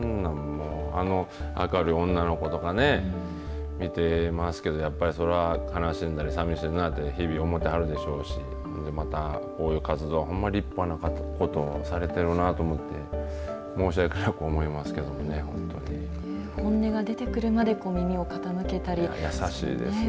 もう、明るい女の子とかね、見てますけど、やっぱりそれは悲しんだり、さみしいなんて日々思ってはるでしょうし、またこういう活動はほんまに立派なことをされているなと思って、申し訳なく思いますけ本音が出てくるまで耳を傾け優しいですね。